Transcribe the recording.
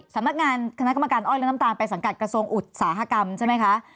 สำนักงานคณะกรรมการอ้อยและน้ำตาลไปสังกัดกระทรวงอุตสาหกรรมใช่ไหมคะ